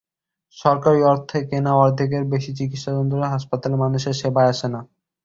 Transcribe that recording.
সরকারি অর্থে কেনা অর্ধেকের বেশি চিকিৎসা যন্ত্রপাতি হাসপাতালে মানুষের সেবায় আসে না।